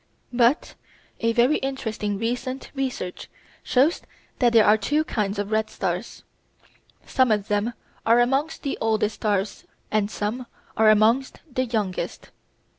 But a very interesting recent research shows that there are two kinds of red stars; some of them are amongst the oldest stars and some are amongst the youngest.